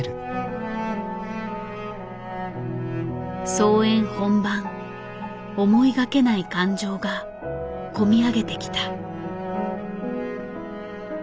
操演本番思いがけない感情が込み上げてきた。